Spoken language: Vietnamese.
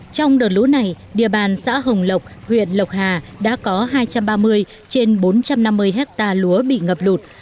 trong đợt lũ này địa bàn xã hồng lộc huyện lộc hà đã có hai trăm ba mươi trên bốn trăm năm mươi hectare lúa bị ngập lụt